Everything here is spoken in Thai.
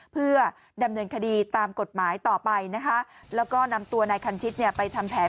เพื่อดำเชิญคดีตามกฎหมายต่อไปแล้วก็นำตัวนายคัญชิตไปทำแผน